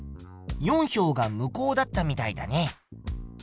４票が無効だったみたいだね。